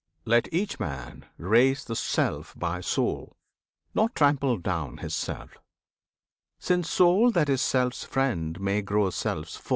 Let each man raise The Self by Soul, not trample down his Self, Since Soul that is Self's friend may grow Self's foe.